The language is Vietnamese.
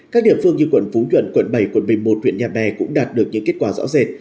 các địa phương như quận phú nhuận quận bảy quận một mươi một huyện nhà bè cũng đạt được những kết quả rõ rệt